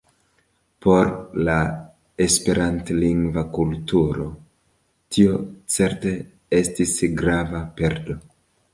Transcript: Por la Esperantlingva kulturo tio certe estis grava perdo.